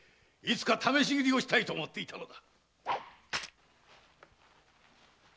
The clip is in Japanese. いつか試し斬りをしたいと思っていた。